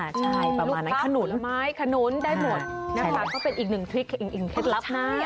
ใช่ประมาณนั้นขนุนลูกฟ้าผลไม้ขนุนได้หมดนะคะก็เป็นอีกหนึ่งทริคอีกเคล็ดลับนะ